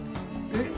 えっ？